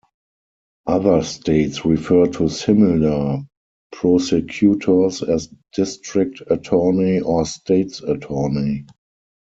Other states refer to similar prosecutors as district attorney or state's attorney.